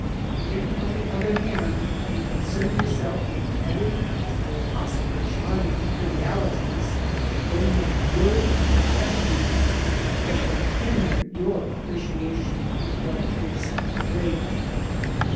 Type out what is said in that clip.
If on the other hand you concern yourself with petty though possibly charming trivialities, they may worry and fret you because they hinder your appreciation of what is great.